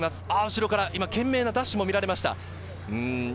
後ろから懸命なダッシュも見られました。